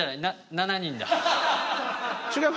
７人だ。